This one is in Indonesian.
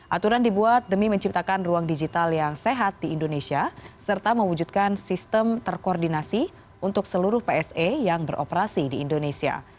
aturan dibuat demi menciptakan ruang digital yang sehat di indonesia serta mewujudkan sistem terkoordinasi untuk seluruh pse yang beroperasi di indonesia